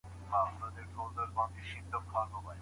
د غرونو هوا ګرمه نه وي.